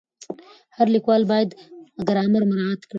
هر لیکوال باید ګرامر مراعت کړي.